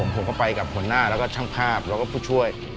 ผมก็ไปกับหัวหน้าแล้วก็ช่างภาพแล้วก็ผู้ช่วย